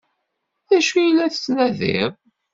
D acu i la tettnadiḍ?